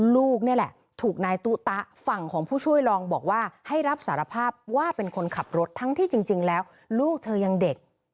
ลูกนี่แหละถูกนายตู้ตะฝั่งของผู้ช่วยรองบอกว่าให้รับสารภาพว่าเป็นคนขับรถทั้งที่จริงแล้วลูกเธอยังเด็ก